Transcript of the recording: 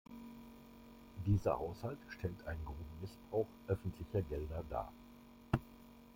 Dieser Haushalt stellt einen groben Missbrauch öffentlicher Gelder dar.